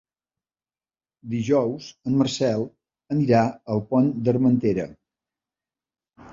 Dijous en Marcel anirà al Pont d'Armentera.